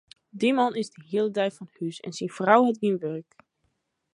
Dy man is de hiele dei fan hûs en syn frou hat gjin wurk.